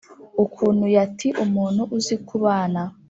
ukuntu yati umuntu uzi kubana